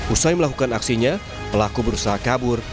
usai melakukan aksinya pelaku berusaha kabur